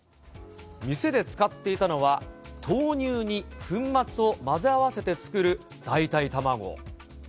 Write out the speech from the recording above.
店で使っていたのは、豆乳に粉末を混ぜ合わせて作る代替たまご。